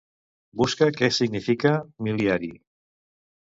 Busca què significa mil·liari.